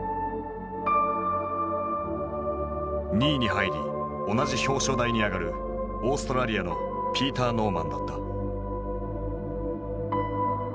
２位に入り同じ表彰台に上がるオーストラリアのピーター・ノーマンだった。